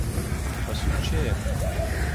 خەسووت کێیە؟